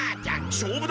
しょうぶだ！